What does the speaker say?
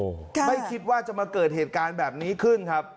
ค่ะไม่คิดว่าจะมาเกิดเหตุการณ์แบบนี้ขึ้นครับ